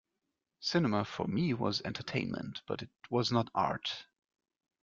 Cinema for me was entertainment, but it was not art.